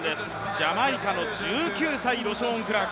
ジャマイカの１９歳、ロショーン・クラーク。